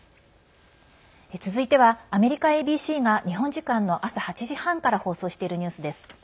続いては、アメリカＡＢＣが日本時間の朝８時半から放送しているニュースです。